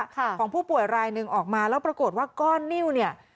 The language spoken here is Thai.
ของผู้ป่วยรายหนึ่งออกมาแล้วปรากฏว่าก้อนนิ้วเนี่ย